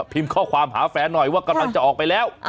พิมพ์ข้อความหาแฟนหน่อยว่ากำลังจะออกไปแล้ว